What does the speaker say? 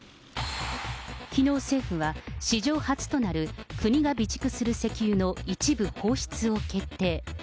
きのう政府は、史上初となる国が備蓄する石油の一部放出を決定。